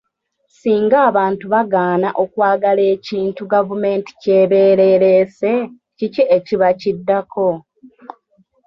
Singa abantu bagaana okwagala ekintu gavumenti kyebeera ereese kiki ekiba kiddako?